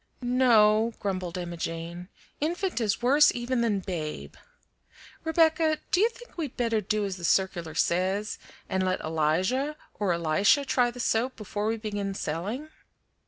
"No," grumbled Emma Jane; "infant is worse even than babe. Rebecca, do you think we'd better do as the circular says, and let Elijah or Elisha try the soap before we begin selling?"